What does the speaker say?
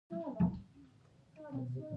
افغانستان د چرګانو له پلوه متنوع هېواد دی.